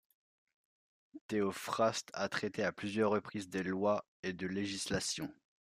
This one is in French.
Théophraste a traité à plusieurs reprises des lois et de législation.